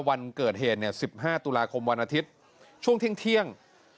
วันเกิดเหตุ๑๕ตุลาคมวันอาทิตย์ช่วงเที่ยง